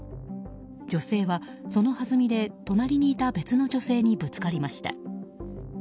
女性はそのはずみで隣にいた別の女性にぶつかりました。